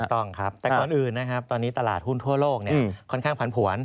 ต้องครับแต่ก่อนอื่นนะครับตอนนี้ตลาดหุ้นทั่วโลกค่อนข้างผันผวน